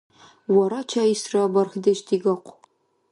Варачайсра бархьдеш дигахъу.